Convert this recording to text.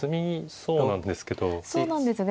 そうなんですよね。